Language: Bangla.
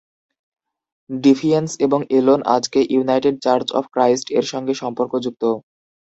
ডিফিয়েন্স এবং এলন আজকে ইউনাইটেড চার্চ অফ ক্রাইস্ট এর সঙ্গে সম্পর্কযুক্ত।